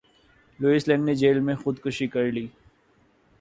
Louis لنگ نے jail میں خود کشی کر لی